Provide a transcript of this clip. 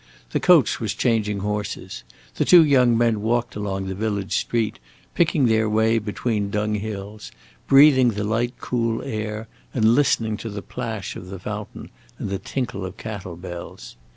The coach was changing horses; the two young men walked along the village street, picking their way between dunghills, breathing the light, cool air, and listening to the plash of the fountain and the tinkle of cattle bells.